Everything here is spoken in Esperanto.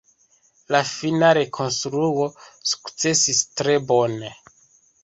La fina rekonstruo sukcesis tre bone.